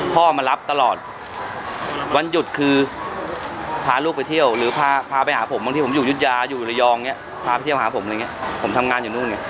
พ่อมารับตลอดวันหยุดคือพาลูกไปเที่ยวหรือพาไปหาผมบางทีผมอยู่ยุธยาอยู่ระยองเนี่ยพาไปเที่ยวหาผมอะไรอย่างเงี้ยผมทำงานอยู่นู่นไง